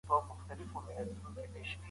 مالي کمیسیون څه دنده لري؟